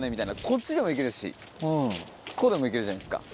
こっちでも行けるしこうでも行けるじゃないですか。